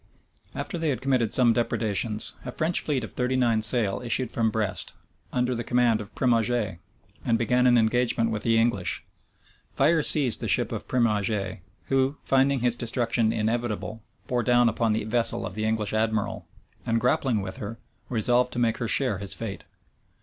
After they had committed some depredations, a French fleet of thirty nine sail issued from Brest, under the command of Primauget, and began an engagement with the English. Fire seized the ship of Primauget; who, finding his destruction inevitable, bore down upon the vessel of the English admiral, and grappling with her, resolved to make her share his fate.